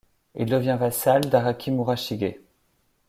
Il devient vassal d'Araki Murashige.